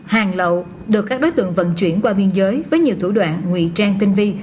hàng lậu được các đối tượng vận chuyển qua biên giới với nhiều thủ đoạn nguy trang tinh vi